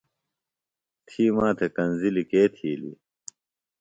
تھی ماتھےۡ کنزِلیۡ کے تھیلیۡ؟